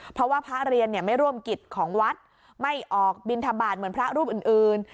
เพราะว่าพระเรียนไม่ร่วมกิจของวัดไม่ออกบินทบาทเหมือนพระรูปอื่น